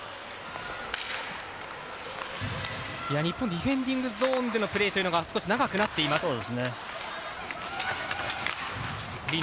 日本ディフェンディングゾーンでのプレーが少し長くなっています。